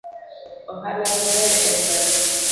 Ohala maber en mane.